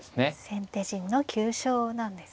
先手陣の急所なんですね。